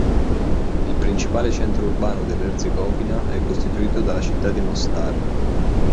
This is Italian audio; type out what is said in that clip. Il principale centro urbano dell'Erzegovina è costituito dalla città di Mostar.